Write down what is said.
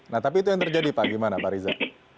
nah tapi itu yang terjadi pak gimana pak riza